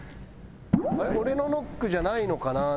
「俺のノックじゃないのかな？」っていう。